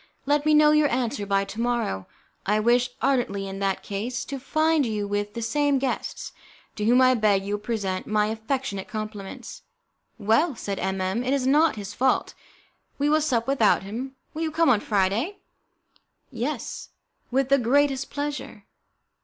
Let me know your answer by to morrow. I wish ardently, in that case, to find you with the same guests, to whom I beg you will present my affectionate compliments." "Well," said M M , "it is not his fault. We will sup without him. Will you come on Friday?" "Yes, with the greatest pleasure.